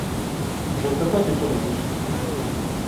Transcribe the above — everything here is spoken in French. Je ne peux pas te dire où je suis.